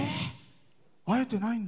会えてないんだ？